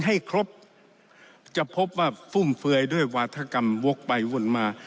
ให้ครบจะพบว่าฟุ่มเฟือยด้วยวาธกรรมวกไปวนมา